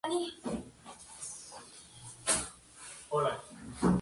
Se encuentra al sudeste de Nueva Guinea.